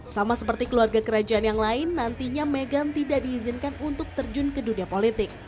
sama seperti keluarga kerajaan yang lain nantinya meghan tidak diizinkan untuk terjun ke dunia politik